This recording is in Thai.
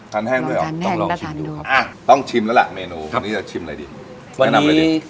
ขันแห้งอยู่แล้วอยากมาชิมด้วยครับ